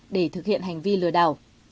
để thực hiện hành vi lừa đảo